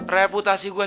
reputasi gue sama ging